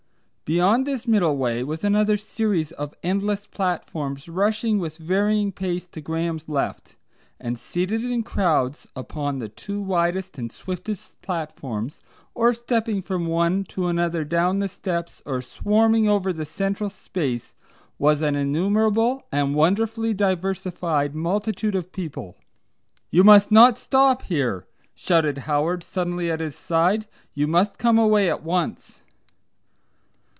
Beyond this middle way was another series of endless platforms rushing with varying pace to Graham's left. And seated in crowds upon the two widest and swiftest platforms, or stepping from one to another down the steps, or swarming over the central space, was an innumerable and wonderfully diversified multitude of people. "You must not stop here," shouted Howard suddenly at his side. "You must come away at once."